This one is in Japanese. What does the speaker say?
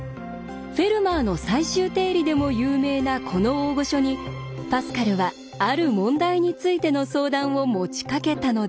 フェルマーの最終定理でも有名なこの大御所にパスカルはある問題についての相談を持ちかけたのです。